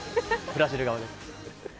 ブラジル側です。